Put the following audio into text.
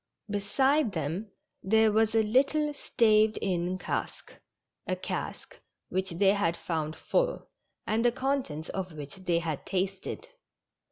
Beside them there was a little staved in THE STRANGE CATCH. 213 cask, a cask which they had found full, and the contents of which they had tasted.